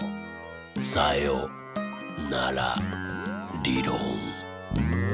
さよならりろん。